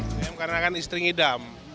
bakmi ayam karena kan istri ngidam